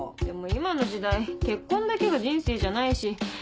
でも今の時代結婚だけが人生じゃないし。